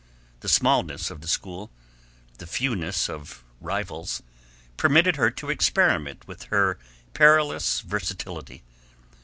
The smallness of the school, the fewness of rivals, permitted her to experiment with her perilous versatility.